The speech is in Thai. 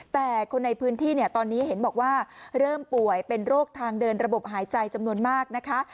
แต่คนในพื้นที่เนี่ยตอนนี้เห็นบอกว่าเริ่มป่วยเป็นโรคทางเดินระบบหายใจจำนวนมากนะคะ